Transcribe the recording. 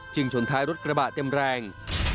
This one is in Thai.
ชนท้ายรถกระบะเต็มแรง